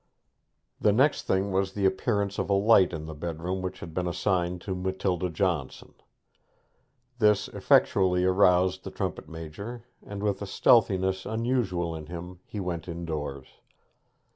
The next thing was the appearance of a light in the bedroom which had been assigned to Matilda Johnson. This effectually aroused the trumpet major, and with a stealthiness unusual in him he went indoors.